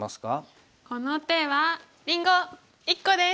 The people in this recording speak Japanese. この手はりんご１個です！